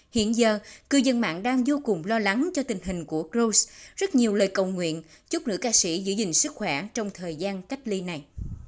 hiện giờ cư dân mạng đang vô cùng lo lắng cho tình hình của crowest rất nhiều lời cầu nguyện giúp nữ ca sĩ giữ gìn sức khỏe trong thời gian cách ly này